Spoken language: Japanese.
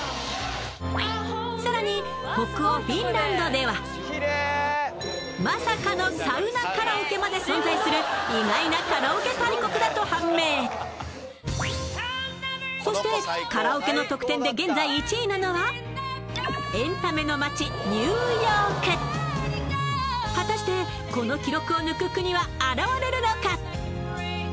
さらに北欧フィンランドではまさかのサウナカラオケまで存在する意外なカラオケ大国だと判明そしてカラオケの得点で現在１位なのはエンタメの街ニューヨーク果たしてこの記録を抜く国は現れるのか？